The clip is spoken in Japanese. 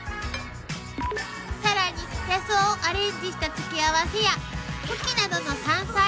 ［さらに野草をアレンジした付け合わせやフキなどの山菜。